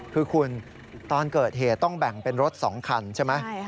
คือคุณตอนเกิดเหตุต้องแบ่งเป็นรถ๒คันใช่ไหม